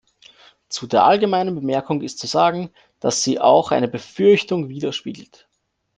Zu der allgemeinen Bemerkung ist zu sagen, dass sie auch eine Befürchtung widerspiegelt.